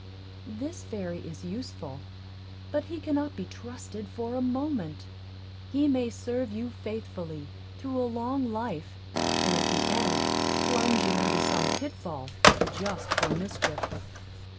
This fairy is useful; but he cannot be trusted for a moment; he may serve you faithfully through a long life, and at the end plunge you into some pitfall, just for mischief.